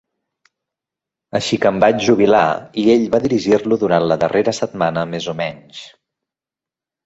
Així que em vaig jubilar i ell va dirigir-lo durant la darrera setmana més o menys.